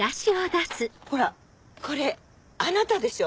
ほらこれあなたでしょ？